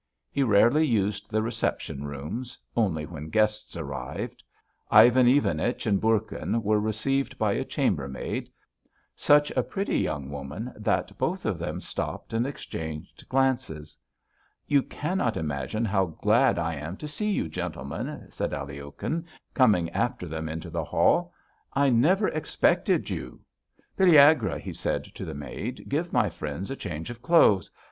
He rarely used the reception rooms, only when guests arrived. Ivan Ivanich and Bourkin were received by a chambermaid; such a pretty young woman that both of them stopped and exchanged glances. "You cannot imagine how glad I am to see you, gentlemen," said Aliokhin, coming after them into the hall. "I never expected you. Pelagueya," he said to the maid, "give my friends a change of clothes.